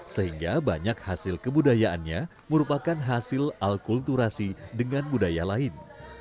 sehingga banyak hasil kebudayaannya merupakan hasil alkulturasi dengan budaya lain